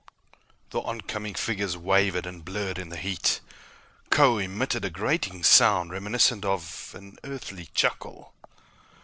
The oncoming figures wavered and blurred in the heat. Kho emitted a grating sound reminiscent of an Earthly chuckle.